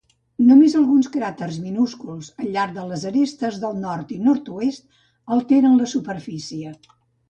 Només alguns cràters minúsculs al llarg de les arestes del nord i nord-oest, alteren la superfície.